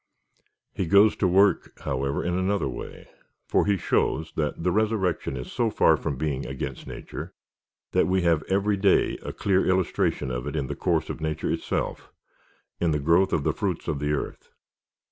He goes to work, however, in another way. For he shows, that the resurrection is so far from being against nature, that we have every day a clear illustration of it in the course of nature itself — in the growth of the fruits of the earth.